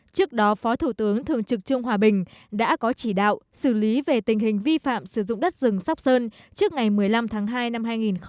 trước đó phó thủ tướng thường trực trương hòa bình đã có chỉ đạo xử lý về tình hình vi phạm sử dụng đất rừng sóc sơn trước ngày một mươi năm tháng hai năm hai nghìn hai mươi